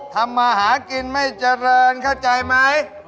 ทำมาหากินไม่เจริญเข้าใจไหม